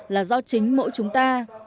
là do chính mỗi chúng ta